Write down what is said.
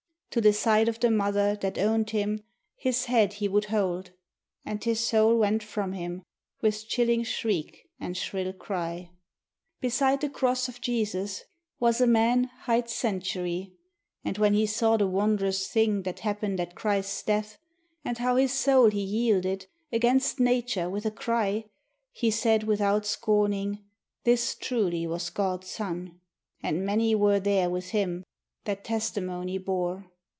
To the side of the Mother that owned him, his head he would hold, And his soul went from him with chilling shriek and shrill cry. Beside the Cross of Jesus was a man hight Sentury, And when he saw the wondrous things that happened at Christ's death, And how his soul he yielded, against nature, with a cry, He said without scorning, "This truly was God's Son;" And many were there with him that testimony bore.